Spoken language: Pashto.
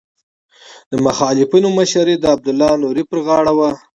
د مخالفینو مشري د عبدالله نوري پر غاړه وه.